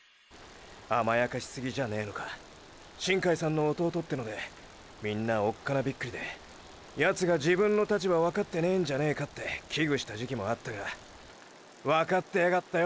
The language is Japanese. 甘やかしすぎじゃねぇのかーー新開さんの弟ってのでみんなおっかなびっくりでヤツが自分の立場わかってねェんじゃねェかって危惧した時期もあったがワカってやがったよ